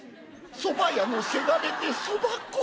そば屋のせがれでそば粉」。